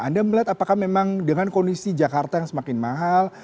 anda melihat apakah memang dengan kondisi jakarta yang semakin mahal